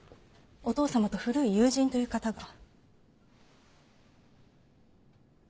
お父様と古い友人という方が。